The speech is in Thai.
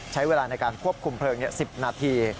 ใช้เวลาในการควบคุมเพลิง๑๐นาที